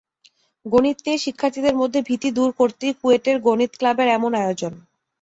গণিত নিয়ে শিক্ষার্থীদের মধ্যে ভীতি দূর করতেই কুয়েট গণিত ক্লাবের এমন আয়োজন।